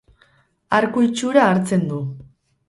Arku itxura hartzen du.